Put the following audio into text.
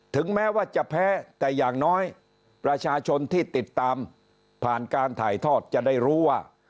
ถึงแม้ว่าจะแพ้แต่อย่างน้อยประชาชนที่ติดตามผ่านการถ่ายทอดจะได้รู้ว่า